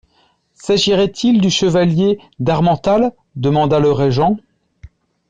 S'agirait-il du chevalier d'Harmental ? demanda le régent.